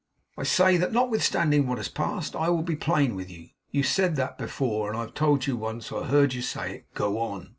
'I say that notwithstanding what has passed, I will be plain with you.' 'You said that before. And I have told you once I heard you say it. Go on.